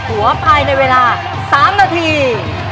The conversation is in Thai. หัวภายในเวลา๓นาที